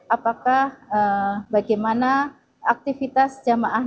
apakah bagaimana aktivitas jamaah